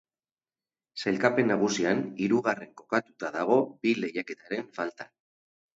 Sailkapen nagusian, hirugarren kokatuta dago bi lehiaketaren faltan.